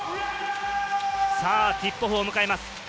ティップオフを迎えます。